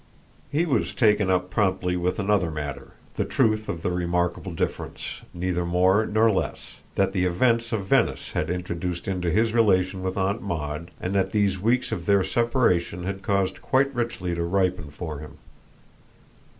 He was taken up promptly with another matter the truth of the remarkable difference, neither more nor less, that the events of Venice had introduced into his relation with Aunt Maud and that these weeks of their separation had caused quite richly to ripen for him.